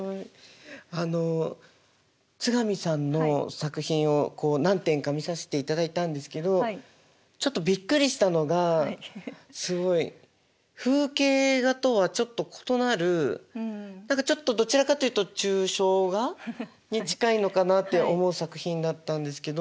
あの津上さんの作品を何点か見させていただいたんですけどちょっとびっくりしたのがすごい風景画とはちょっと異なる何かちょっとどちらかというと抽象画に近いのかなって思う作品だったんですけど。